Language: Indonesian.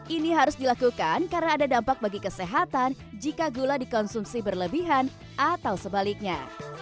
ini harus dilakukan karena ada dampak bagi kesehatan jika gula dikonsumsi berlebihan atau sebaliknya